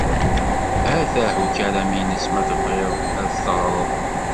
Atah ukaram-ines ma tebɣiḍ a t-teɣreḍ.